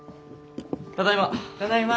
ただいま。